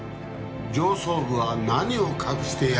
上層部は何を隠してやがるのか？